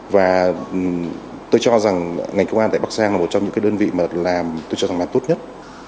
và tôi cho rằng ngành công an tại bắc giang là một trong những cái đơn vị mà làm tôi cho rằng là tốt nhất